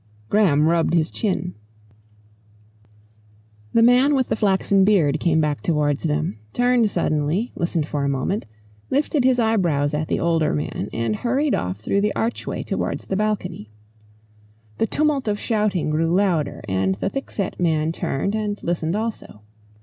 Graham rubbed his chin. The man with the flaxen beard came back towards them, turned suddenly, listened for a moment, lifted his eyebrows at the older man, and hurried off through the archway towards the balcony. The tumult of shouting grew louder, and the thickset man turned and listened also.